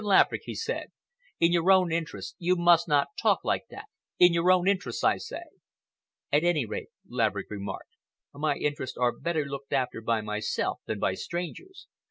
Laverick," he said, "in your own interests you must not talk like that,—in your own interests, I say." "At any rate," Laverick remarked, "my interests are better looked after by myself than by strangers.